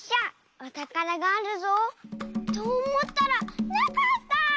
おたからがあるぞ。とおもったらなかった！